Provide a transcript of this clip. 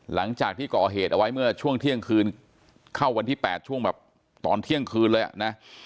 หลังจากที่ก่อเหตุเอาไว้เมื่อช่วงเที่ยงคืนเข้าวันที่๘ช่วงแบบตอนเที่ยงคืนเลยอ่ะนะ